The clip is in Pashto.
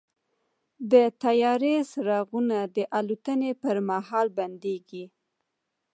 د طیارې څرخونه د الوتنې پر مهال بندېږي.